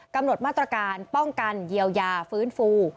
กำหนดมาตรการป้องกันเยียวยาฟื้นฟู